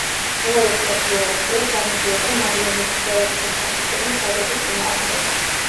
მეორე მსოფლიო ომის დროს გამოდიოდა მარიონეტი სლოვაკეთის ფაშისტური მთავრობის წინააღმდეგ.